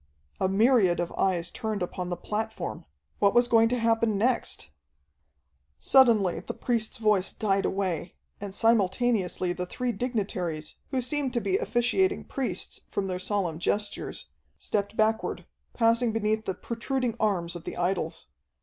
A myriad of eyes turned upon the platform! What was going to happen next? Suddenly the priest's voice died away, and simultaneously the three dignitaries, who seemed to be officiating priests, from their solemn gestures, stepped backward, passing beneath the protruding arms of the idols.